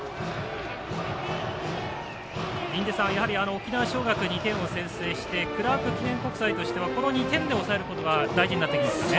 沖縄尚学、２点を先制してクラーク記念国際としてはこの２点で抑えることが大事になってきますね。